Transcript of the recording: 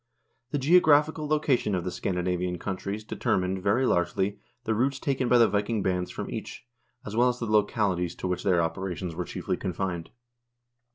The geographical location of the Scandinavian'countries determined, very largely, the routes taken by the Viking bands from each, as well as the localities to which their operations were chiefly confined.